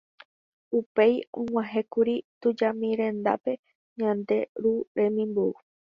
Upéi og̃uahẽkuri tujami rendápe Ñande Ru remimbou.